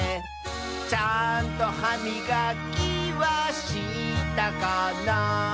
「ちゃんとはみがきはしたかな」